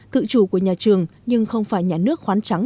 tự chủ của nhà trường nhưng không phải nhà nước khoán trắng